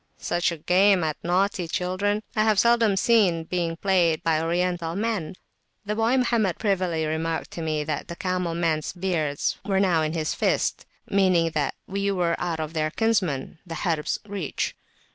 Such a game at naughty children, I have seldom seen played even by Oriental men. The boy Mohammed [p.277] privily remarked to me that the camel men's beards were now in his fist, meaning that we were out of their kinsmen, the Harb's, reach.